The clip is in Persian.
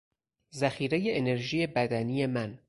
ذخیرهی انرژی بدنی من